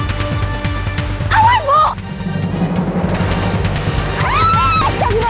sekarang lo terima akibatnya